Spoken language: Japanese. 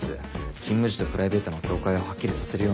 勤務時とプライベートの境界をはっきりさせるようにと。